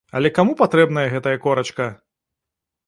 Але каму патрэбная гэтая корачка!